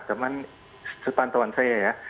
cuma sepantauan saya ya